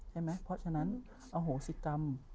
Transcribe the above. ใช่ไหมเพราะฉะนั้นอโหสิกรรม